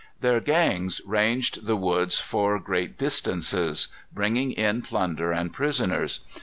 Their gangs ranged the woods for great distances, bringing in plunder and prisoners.